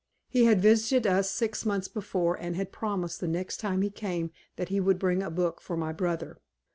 He had visited us six months before and had promised the next time he came that he would bring a book for my brother.